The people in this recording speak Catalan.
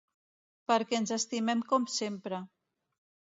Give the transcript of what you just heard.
Perquè ens estimem com sempre.